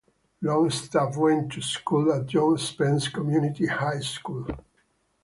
Longstaff went to school at John Spence Community High School.